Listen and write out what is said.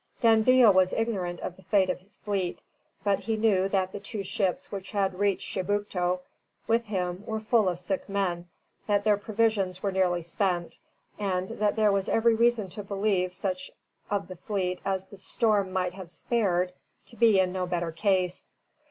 D'Anville was ignorant of the fate of his fleet; but he knew that the two ships which had reached Chibucto with him were full of sick men, that their provisions were nearly spent, and that there was every reason to believe such of the fleet as the storm might have spared to be in no better case.